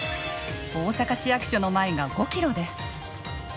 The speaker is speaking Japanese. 大阪市役所の前が５ｋｍです。